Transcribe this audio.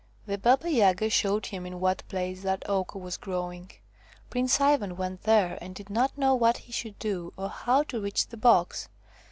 The Baba Yaga showed him in what place that oak 126 THE FROG QUEEN was growing. Prince Ivan went there and did not know what he should do or how to reach the box.